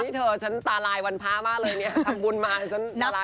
นี่เธอฉันตาลายวันพระมากเลยเนี่ยทำบุญมาฉันดารา